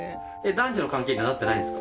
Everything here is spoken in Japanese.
男女の関係にはなってないんですか